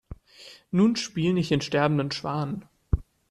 Nun spiel nicht den sterbenden Schwan.